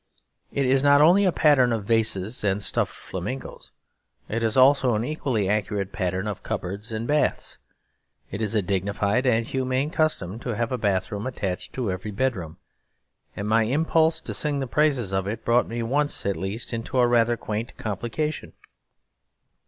It is not only a pattern of vases and stuffed flamingoes; it is also an equally accurate pattern of cupboards and baths. It is a dignified and humane custom to have a bathroom attached to every bedroom; and my impulse to sing the praises of it brought me once at least into a rather quaint complication.